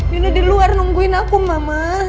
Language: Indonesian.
dulu di luar nungguin aku mama